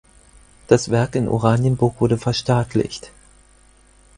Das Werk in Oranienburg wurde verstaatlicht.